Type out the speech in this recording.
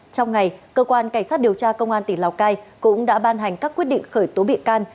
trong ngày cơ quan cảnh sát điều tra công an tỉnh lào cai cũng đã ban hành các quyết định khởi tố bị can